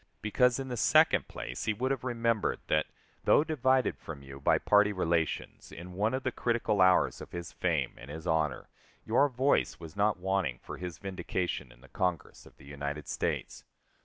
Because, in the second place, he would have remembered that, though divided from you by party relations, in one of the critical hours of his fame and his honor, your voice was not wanting for his vindication in the Congress of the United States.